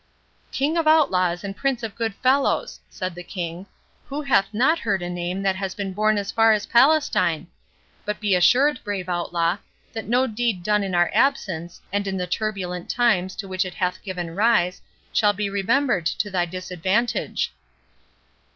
561 "King of Outlaws, and Prince of good fellows!" said the King, "who hath not heard a name that has been borne as far as Palestine? But be assured, brave Outlaw, that no deed done in our absence, and in the turbulent times to which it hath given rise, shall be remembered to thy disadvantage."